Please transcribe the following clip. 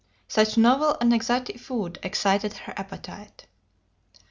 Such novel and exotic food excited her appetite.